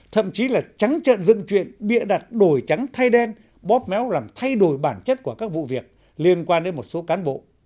thậm chí là trắng trận dân chuyện bịa đặt đổi trắng thay đen bóp méo làm thay đổi bản chất của các vụ việc liên quan đến một số cán bộ